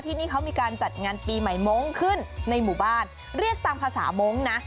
ที่นี่เขามีการจัดงานปีใหม่มงค์ขึ้นในหมู่บ้านเรียกตามภาษามงค์นะ